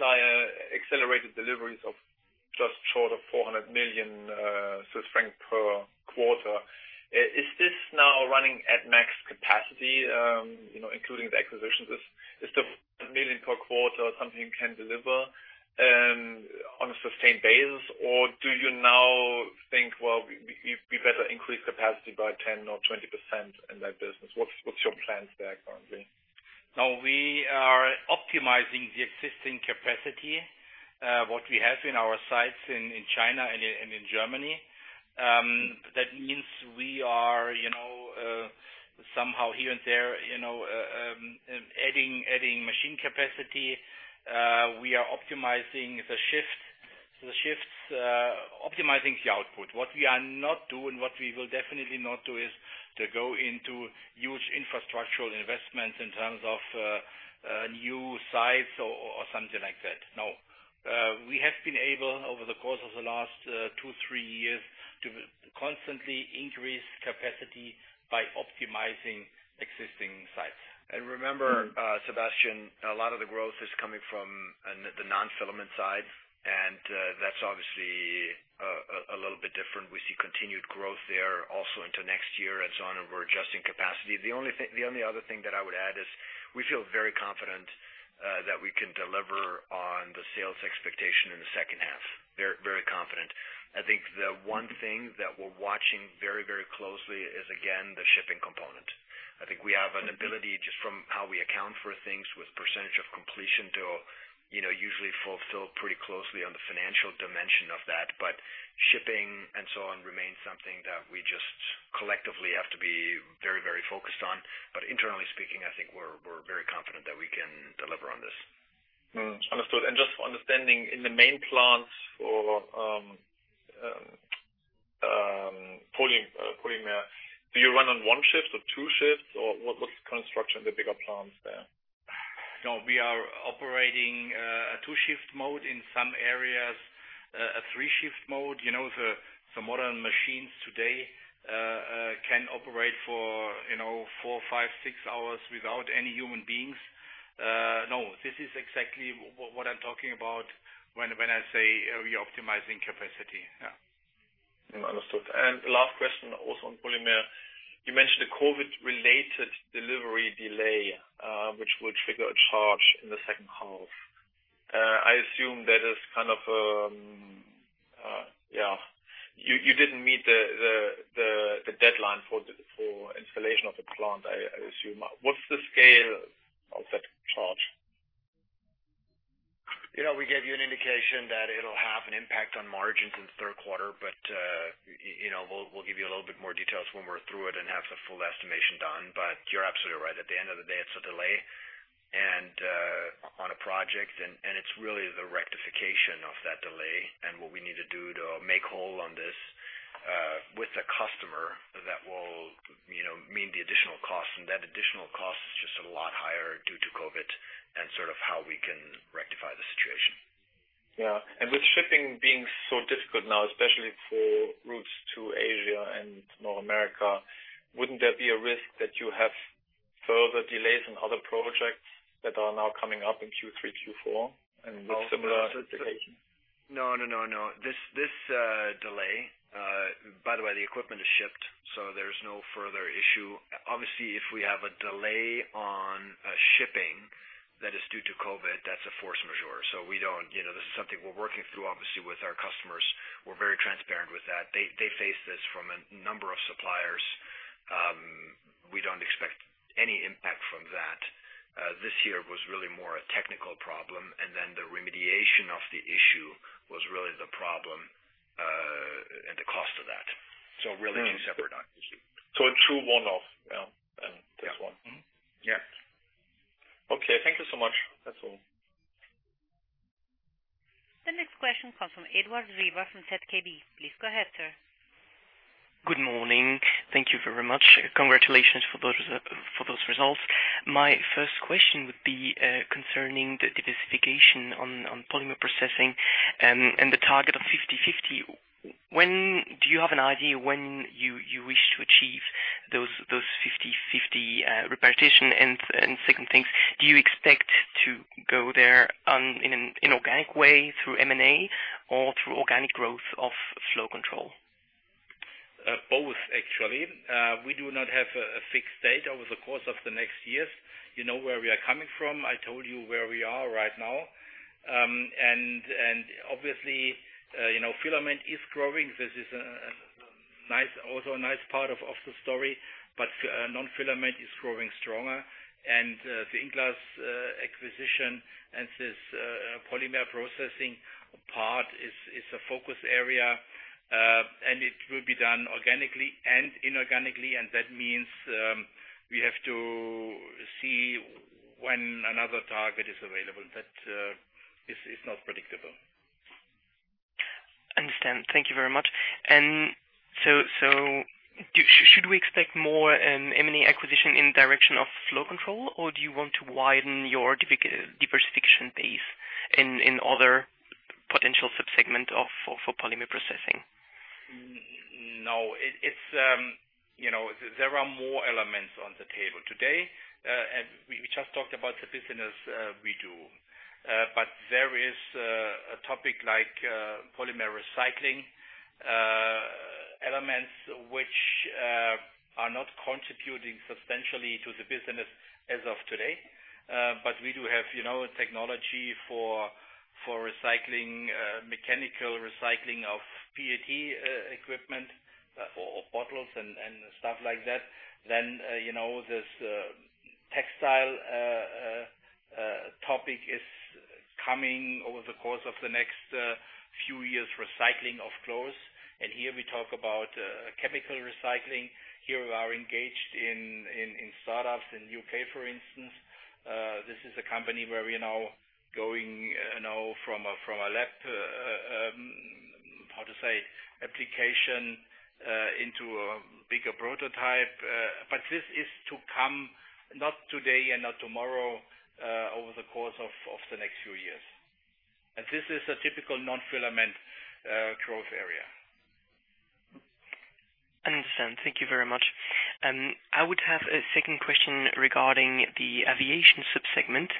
lower orders, or you expect longer lead times at the end of the year. Otherwise, the numbers would not add up. Yeah, I know- If lead time stay the same, you will have much lower orders in the second half. Yeah. Take it as an approximation. I think, again, we're expecting orders to be in line with sales and a positive business outlook. Okay. That's understood. For Polymer, you basically imply accelerated deliveries of just short of CHF 400 million per quarter. Is this now running at max capacity, including the acquisitions? Is the million per quarter something you can deliver on a sustained basis, or do you now think, "Well, we better increase capacity by 10% or 20% in that business?" What's your plans there currently? No. We are optimizing the existing capacity, what we have in our sites in China and in Germany. That means we are somehow here and there adding machine capacity. We are optimizing the shifts, optimizing the output. What we are not doing, what we will definitely not do, is to go into huge infrastructural investments in terms of new sites or something like that. No. We have been able, over the course of the last 2, 3 years, to constantly increase capacity by optimizing existing sites. Remember, Sebastian, a lot of the growth is coming from the non-filament side, and that's obviously a little bit different. We see continued growth there also into next year and so on, and we're adjusting capacity. The only other thing that I would add is we feel very confident that we can deliver on the sales expectation in the second half. Very confident. I think the one thing that we're watching very closely is, again, the shipping component. I think we have an ability, just from how we account for things with percentage of completion, to usually fulfill pretty closely on the financial dimension of that. Shipping and so on remains something that we just collectively have to be very focused on. Internally speaking, I think we're very confident that we can deliver on this. Understood. Just for understanding, in the main plants for Polymer, do you run on 1 shift or 2 shifts, or what's the construction of the bigger plants there? No. We are operating a 2-shift mode in some areas, a 3-shift mode. The modern machines today can operate for 4, 5, 6 hours without any human beings. No, this is exactly what I'm talking about when I say we're optimizing capacity. Yeah. Understood. Last question, also on Polymer. You mentioned a COVID-related delivery delay, which will trigger a charge in the second half. I assume you didn't meet the deadline for installation of the plant, I assume. What's the scale of that charge? We gave you an indication that it'll have an impact on margins in the third quarter, but we'll give you a little bit more details when we're through it and have the full estimation done. You're absolutely right. At the end of the day, it's a delay on a project, and it's really the rectification of that delay and what we need to do to make whole on this with the customer that will mean the additional cost. That additional cost is just a lot higher due to COVID and sort of how we can rectify the situation. Yeah. With shipping being so difficult now, especially for routes to Asia and North America, wouldn't there be a risk that you have further delays on other projects that are now coming up in Q3, Q4, and with similar specifications? No. By the way, the equipment is shipped, so there's no further issue. Obviously, if we have a delay on shipping that is due to COVID, that's a force majeure. This is something we're working through, obviously, with our customers. We're very transparent with that. They face this from a number of suppliers. We don't expect any impact. This year was really more a technical problem, and then the remediation of the issue was really the problem, and the cost of that. Really two separate issues. A true one-off, yeah. That's one. Yeah. Okay. Thank you so much. That's all. The next question comes from Edouard Riva from ZKB. Please go ahead, sir. Good morning. Thank you very much. Congratulations for those results. My first question would be concerning the diversification on Polymer Processing and the target of 50/50. Do you have an idea when you wish to achieve those 50/50 repartitions? Second thing, do you expect to go there in an inorganic way through M&A or through organic growth of Flow Control? Both, actually. We do not have a fixed date over the course of the next years. You know where we are coming from. I told you where we are right now. Obviously, filament is growing. This is also a nice part of the story. Non-filament is growing stronger. The INglass acquisition and this polymer processing part is a focus area, and it will be done organically and inorganically, and that means we have to see when another target is available. That is not predictable. Understand. Thank you very much. Should we expect more M&A acquisition in direction of Flow Control, or do you want to widen your diversification base in other potential sub-segments for Polymer Processing? No. There are more elements on the table today. We just talked about the business we do. There is a topic like polymer recycling, elements which are not contributing substantially to the business as of today. We do have a technology for mechanical recycling of PET equipment or bottles and stuff like that. This textile topic is coming over the course of the next few years, recycling of clothes. Here we talk about chemical recycling. Here we are engaged in startups in U.K., for instance. This is a company where we are now going from a lab, how to say, application into a bigger prototype. This is to come, not today and not tomorrow, over the course of the next few years. This is a typical non-filament growth area. Understand. Thank you very much. I would have a second question regarding the aviation sub-segment.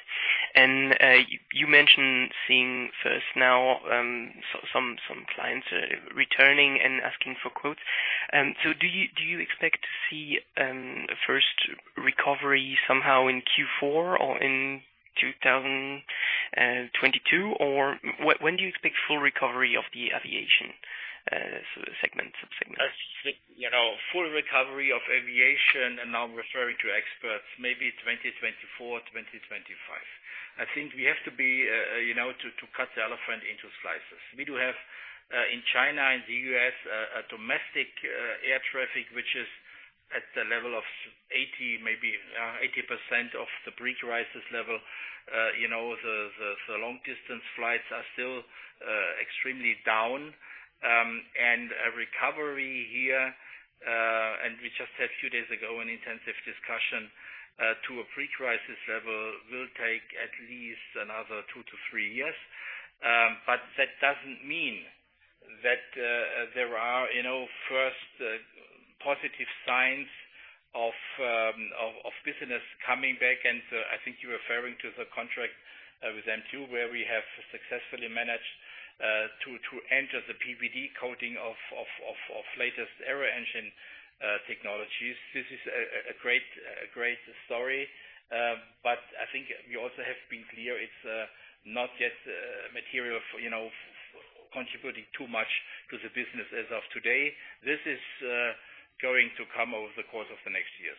You mentioned seeing first now some clients returning and asking for quotes. Do you expect to see first recovery somehow in Q4 or in 2022? When do you expect full recovery of the aviation sub-segment? Full recovery of aviation, now I'm referring to experts, maybe 2024, 2025. I think we have to cut the elephant into slices. We do have, in China, in the U.S., a domestic air traffic, which is at the level of maybe 80% of the pre-crisis level. The long-distance flights are still extremely down. A recovery here, we just had a few days ago an intensive discussion, to a pre-crisis level will take at least another 2-3 years. That doesn't mean that there are first positive signs of business coming back. I think you're referring to the contract with MTU, where we have successfully managed to enter the PVD coating of latest aero-engine technologies. This is a great story. I think we also have been clear it's not yet material contributing too much to the business as of today. This is going to come over the course of the next years.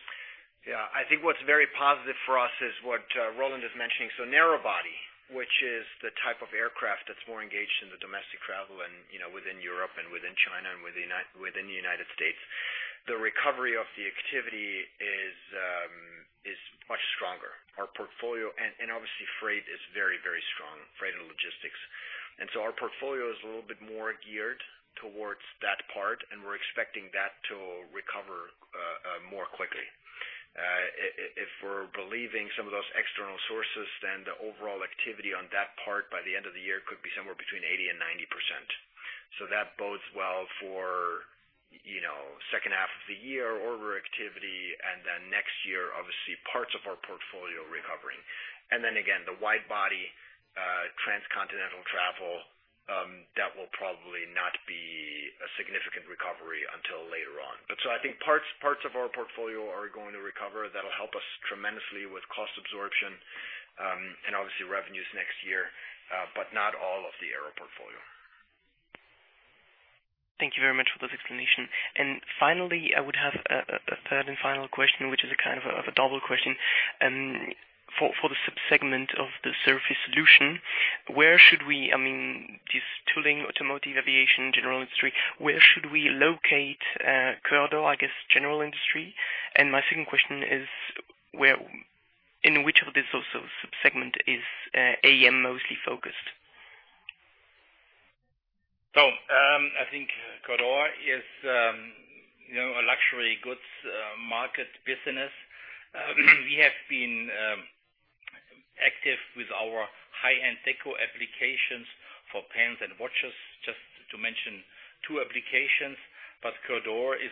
Yeah. I think what's very positive for us is what Roland is mentioning. Narrow body, which is the type of aircraft that's more engaged in the domestic travel and within Europe and within China and within the U.S. The recovery of the activity is much stronger. Obviously freight is very, very strong, freight and logistics. Our portfolio is a little bit more geared towards that part, and we're expecting that to recover more quickly. If we're believing some of those external sources, then the overall activity on that part by the end of the year could be somewhere between 80% and 90%. That bodes well for second half of the year order activity, and next year, obviously, parts of our portfolio recovering. Again, the wide-body transcontinental travel, that will probably not be a significant recovery until later on. I think parts of our portfolio are going to recover. That'll help us tremendously with cost absorption, and obviously revenues next year, but not all of the aero portfolio. Thank you very much for this explanation. Finally, I would have a 3rd and final question, which is a kind of a double question. For the subsegment of the Surface Solutions, where should we, this tooling, automotive, aviation, general industry, where should we locate Coeurdor, I guess, general industry? My 2nd question is, in which of these subsegment is AM mostly focused? I think Coeurdor is a luxury goods market business. We have been active with our high-end deco applications for pens and watches, just to mention two applications. Coeurdor is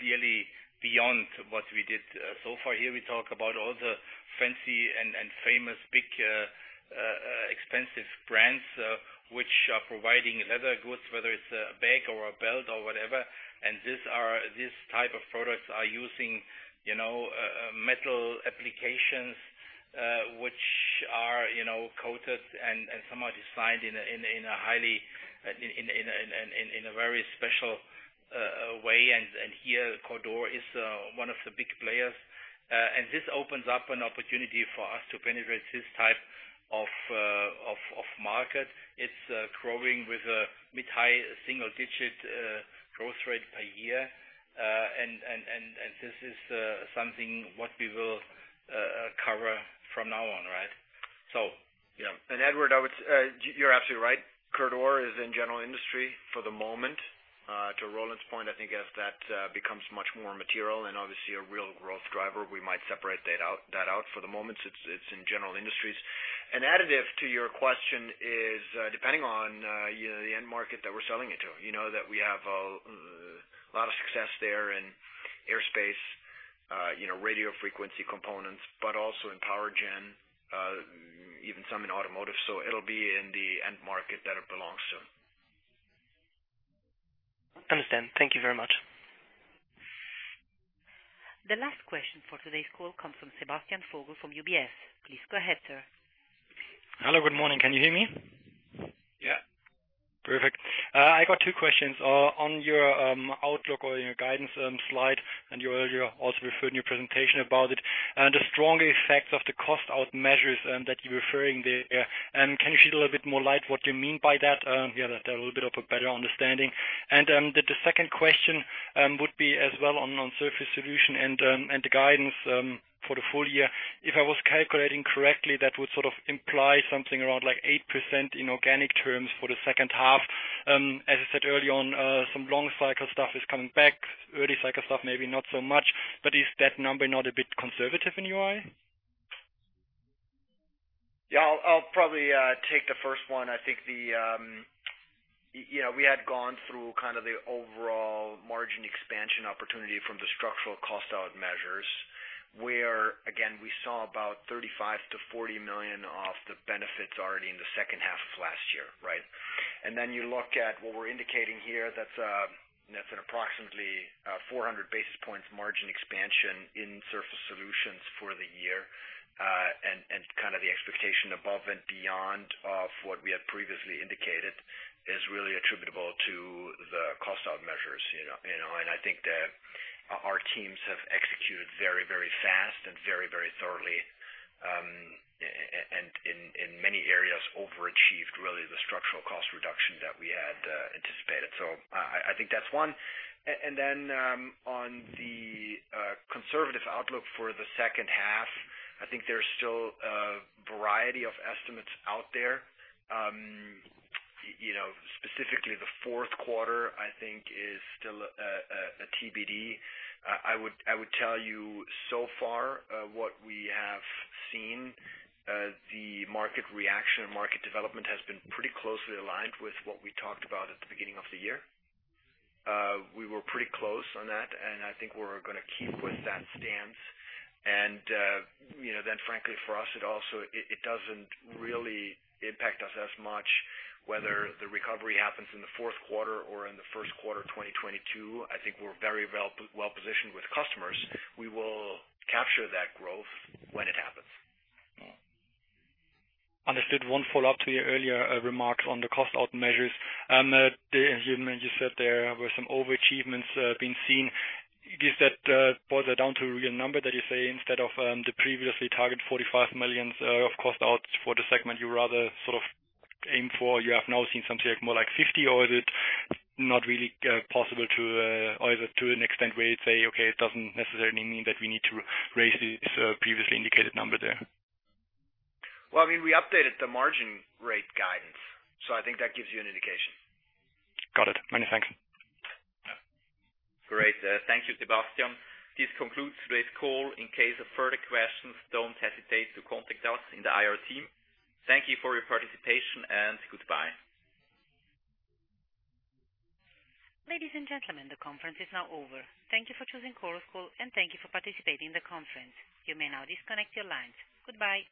clearly beyond what we did so far here. We talk about all the fancy and famous, big, expensive brands, which are providing leather goods, whether it's a bag or a belt or whatever. These type of products are using metal applications, which are coated and somehow designed in a very special way. Here, Coeurdor is one of the big players. This opens up an opportunity for us to penetrate this type of market. It's growing with a mid-high single-digit growth rate per year. This is something what we will cover from now on, right? Edouard, you're absolutely right. Coeurdor is in general industry for the moment. To Roland's point, I think as that becomes much more material and obviously a real growth driver, we might separate that out. For the moment, it's in general industries. Additive to your question is, depending on the end market that we're selling it to. You know that we have a lot of success there in aerospace, radio frequency components, but also in power gen, even some in automotive. It'll be in the end market that it belongs to. Understand. Thank you very much. The last question for today's call comes from Sebastian Vogel from UBS. Please go ahead, sir. Hello. Good morning. Can you hear me? Yeah. Perfect. I got two questions. On your outlook or your guidance slide, and you earlier also referred in your presentation about it, the strong effects of the cost-out measures that you're referring there, can you shed a little bit more light what you mean by that? Get a little bit of a better understanding. The second question would be as well on Surface Solutions and the guidance for the full year. If I was calculating correctly, that would sort of imply something around 8% in organic terms for the second half. As I said early on, some long cycle stuff is coming back. Early cycle stuff, maybe not so much. Is that number not a bit conservative in your eye? Yeah, I'll probably take the first one. I think we had gone through kind of the overall margin expansion opportunity from the structural cost-out measures, where, again, we saw about 35 million-40 million of the benefits already in the second half of last year, right? You look at what we're indicating here, that's an approximately 400 basis points margin expansion in Surface Solutions for the year. Kind of the expectation above and beyond of what we had previously indicated is really attributable to the cost-out measures. I think that our teams have executed very fast and very thoroughly, and in many areas overachieved, really, the structural cost reduction that we had anticipated. I think that's one. On the conservative outlook for the second half, I think there's still a variety of estimates out there. Specifically the fourth quarter, I think is still a TBD. I would tell you so far, what we have seen, the market reaction and market development has been pretty closely aligned with what we talked about at the beginning of the year. I think we're going to keep with that stance. Frankly for us, it doesn't really impact us as much whether the recovery happens in the fourth quarter or in the first quarter of 2022. I think we're very well-positioned with customers. We will capture that growth when it happens. Understood. One follow-up to your earlier remarks on the cost-out measures. As you said, there were some over-achievements being seen. Does that boil down to a real number that you say instead of the previously targeted 45 million of cost-outs for the segment, you rather sort of aim for, you have now seen something like more like 50, or is it to an extent where you'd say, okay, it doesn't necessarily mean that we need to raise this previously indicated number there? Well, we updated the margin rate guidance, so I think that gives you an indication. Got it. Many thanks. Great. Thank you, Sebastian. This concludes today's call. In case of further questions, don't hesitate to contact us in the IR team. Thank you for your participation, and goodbye. Ladies and gentlemen, the conference is now over. Thank you for choosing Chorus Call, and thank you for participating in the conference. You may now disconnect your lines. Goodbye.